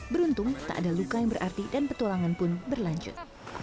beruntung tak ada luka yang berarti dan petualangan pun berlanjut